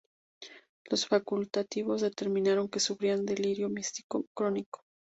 Los facultativos determinaron que sufría delirio místico crónico.